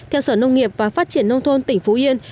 theo sở nông nghiệp và phát triển nông thôn tỉnh phú yên